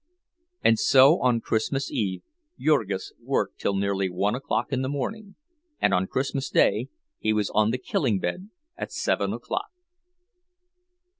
And so on Christmas Eve Jurgis worked till nearly one o'clock in the morning, and on Christmas Day he was on the killing bed at seven o'clock.